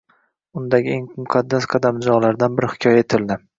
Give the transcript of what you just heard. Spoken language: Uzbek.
Undagi eng muqaddas qadamjolardan biri hikoya etildi.